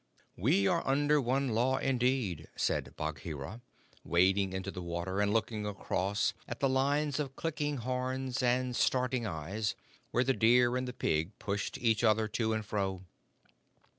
"We are under one Law, indeed," said Bagheera, wading into the water and looking across at the lines of clicking horns and starting eyes where the deer and the pig pushed each other to and fro.